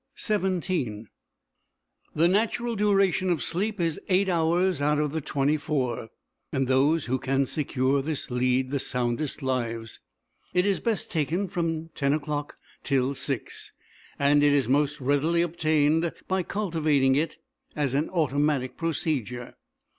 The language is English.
XVII The natural duration of sleep is eight hours out of the twenty four, and those who can secure this lead the soundest lives. It is best taken from ten o'clock till six, and it is most readily obtained by cultivating it as an automatic procedure.